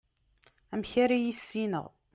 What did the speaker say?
amek ara yissineɣ